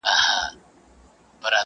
پوهه په ټولګي کې خپرېږي.